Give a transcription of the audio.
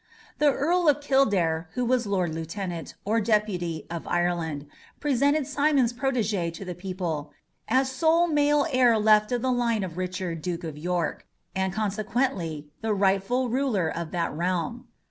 The Earl of Kildare, who was Lord Lieutenant, or Deputy of Ireland, presented Simon's protégé to the people "as sole male heir left of the line of Richard, Duke of York," and consequently the rightful ruler of that realm.